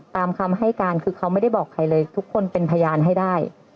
ตามคำให้การคือเขาไม่ได้บอกใครเลยทุกคนเป็นพยานให้ได้